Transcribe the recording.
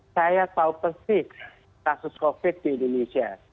saya tahu persis kasus covid di indonesia